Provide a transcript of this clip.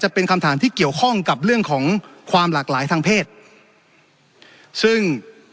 เป็นคำถามที่เกี่ยวข้องกับเรื่องของความหลากหลายทางเพศซึ่ง